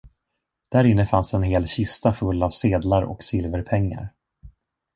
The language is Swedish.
Där inne fanns en hel kista full av sedlar och silverpengar.